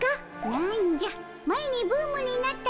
何じゃ前にブームになったやつかの。